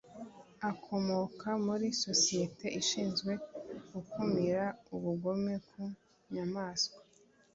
akomoka muri sosiyete ishinzwe gukumira ubugome ku nyamaswa